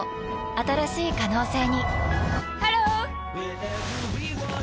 新しい可能性にハロー！